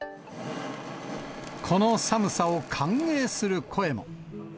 この寒さを歓迎する声も。